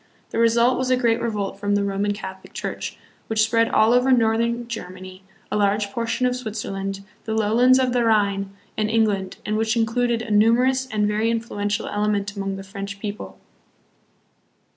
The result was a great revolt from the Roman Catholic Church, which spread all over northern Germany, a large portion of Switzerland, the lowlands of the Rhine, and England, and which included a numerous and very influential element among the French people.